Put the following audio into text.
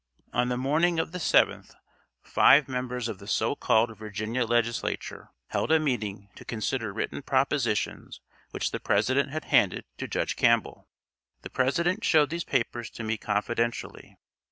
On the morning of the 7th, five members of the so called Virginia Legislature held a meeting to consider written propositions which the President had handed to Judge Campbell. The President showed these papers to me confidentially.